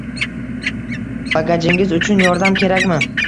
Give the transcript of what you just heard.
Bagajingiz uchun yordam kerakmi?